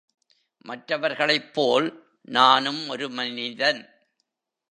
மற்றவர்களைப்போல் நானும் ஒரு மனிதன்.